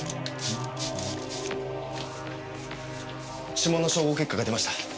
指紋の照合結果が出ました。